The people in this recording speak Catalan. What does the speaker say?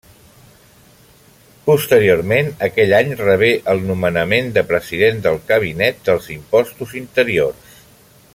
Posteriorment aquell any rebé el nomenament de president del Cabinet dels Impostos Interiors.